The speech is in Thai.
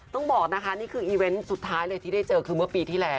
ต้องบอกนะคะนี่คือสุดท้ายที่ได้เจอเมื่อปีที่แล้ว